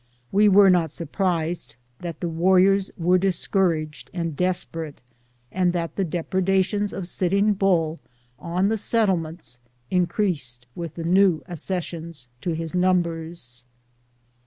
We were not surprised that the war riors were discouraged and desperate, and that the dep redations of Sitting Bull on the settlements increased with the new accessions to his numbers.